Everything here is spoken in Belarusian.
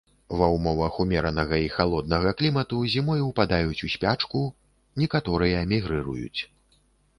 Ва ўмовах умеранага і халоднага клімату зімой упадаюць у спячку, некаторыя мігрыруюць.